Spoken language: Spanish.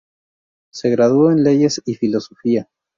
Se graduó en leyes y filosofía.